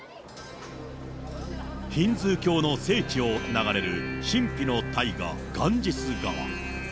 ヒンズー教の聖地を流れる神秘の大河、ガンジス川。